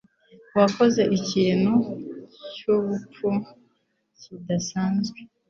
Wakoze ikintu cyubupfu kidasanzwe.